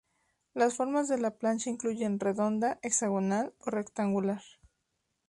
Las formas de la plancha incluyen redonda, hexagonal o rectangular.